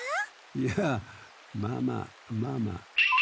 いやまあまあまあまあ。